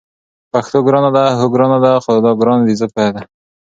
پښتو ګرانه ده؟ هو، ګرانه ده؛ خو دا ګرانی د عزت بیه ده